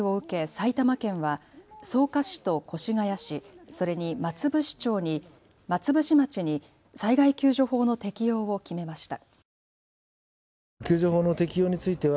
埼玉県は草加市と越谷市、それに松伏町に災害救助法の適用を決めました。